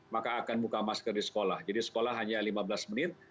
maka akan buka masker di sekolah jadi sekolah hanya lima belas menit